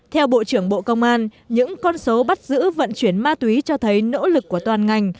theo bộ trưởng bộ công an những con số bắt giữ vận chuyển ma túy cho thấy nỗ lực của toàn ngành